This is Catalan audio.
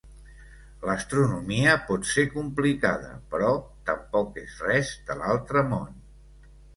L'astronomia pot ser complicada, però tampoc és res de l'altre món.